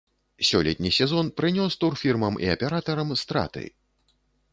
Сёлетні сезон прынёс турфірмам і аператарам страты.